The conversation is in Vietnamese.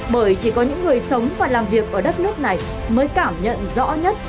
bởi chỉ có những người sống và làm việc ở đất nước này mới cảm nhận rõ nhất